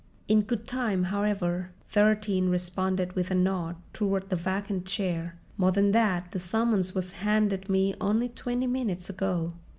"In good time, however," Thirteen responded with a nod toward the vacant chair. "More than that, the summons was handed me only twenty minutes ago."